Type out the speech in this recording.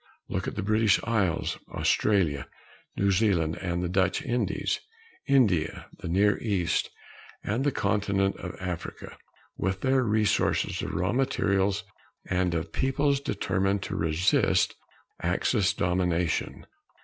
Look at the British Isles, Australia, New Zealand, the Dutch Indies, India, the Near East and the Continent of Africa, with their resources of raw materials, and of peoples determined to resist Axis domination.